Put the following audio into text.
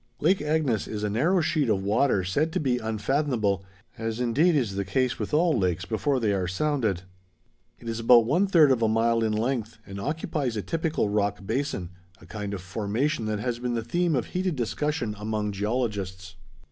Lake Agnes is a narrow sheet of water said to be unfathomable, as indeed is the case with all lakes before they are sounded. It is about one third of a mile in length and occupies a typical rock basin, a kind of formation that has been the theme of heated discussion among geologists.